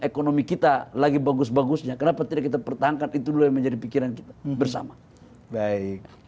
ekonomi kita lagi bagus bagusnya kenapa tidak kita pertahankan itu dulu yang menjadi pikiran kita bersama baik